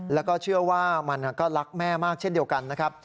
แล้วก็เชื่อว่ามันก็รักแม่มากเช่นเดียวกันนะครับ